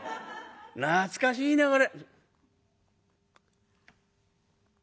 懐かしいねこれ」。